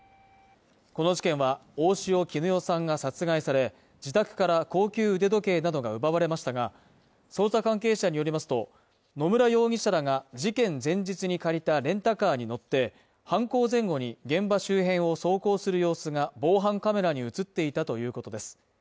この事件は、大塩衣与さんが殺害され、自宅から高級腕時計などが奪われましたが、捜査関係者によりますと、野村容疑者が事件前日に借りたレンタカーに乗って、犯行前後に現場周辺を走行する様子が防犯カメラに映っていたということです。